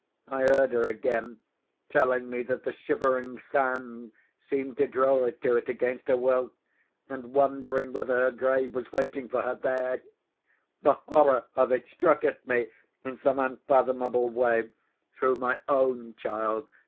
I heard her again, telling me that the Shivering Sand seemed to draw her to it against her will, and wondering whether her grave was waiting for her there. The horror of it struck at me, in some unfathomable way, through my own child.